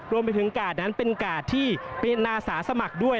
รวมไปถึงกาดนั้นเป็นกาดที่เป็นอาสาสมัครด้วย